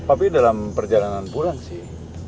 tapi dalam perjalanan pulang sih